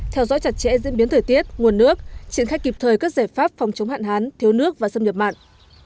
theo dõi chặt chẽ diễn biến thời tiết nguồn nước triển khai kịp thời các giải pháp phòng chống hạn hán thiếu nước và xâm nhập mạng